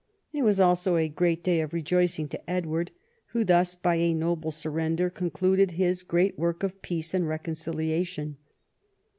It was also a great day of rejoicing to Edward, who thus by a noble surrender concluded his great Avork of peace and reconciliation.